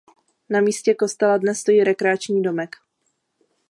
Na místě kostela dnes stojí rekreační domek.